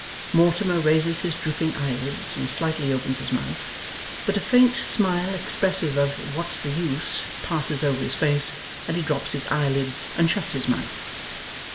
Mortimer raises his drooping eyelids, and slightly opens his mouth. But a faint smile, expressive of 'What's the use!' passes over his face, and he drops his eyelids and shuts his mouth.